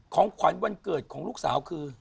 ของขวัญวันเกิดของลูกสาวคือ